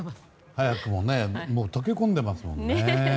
早くも溶け込んでいますもんね。